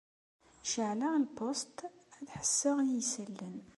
Ceεleɣ lpusṭ ad ḥesseɣ i isallen.